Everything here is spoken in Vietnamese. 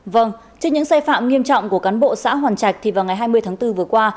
vâng trước những sai phạm nghiêm trọng của cán bộ xã hoàn trạch thì vào ngày hai mươi tháng bốn vừa qua